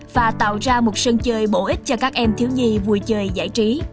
và tạo ra một sân chơi bổ ích cho các em thiếu nhi vui chơi giải trí